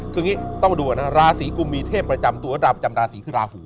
คืออย่างนี้ต้องดูก่อนนะราศีกุมมีเทพประจำตัวดาวจำราศีคือราหู